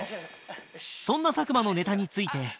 そんな佐久間のネタについて